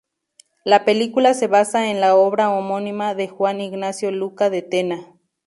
La película se basa en la obra homónima de Juan Ignacio Luca de Tena.